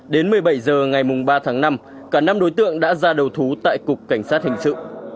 đến một mươi bảy h ngày ba tháng năm cả năm đối tượng đã ra đầu thú tại cục cảnh sát hình sự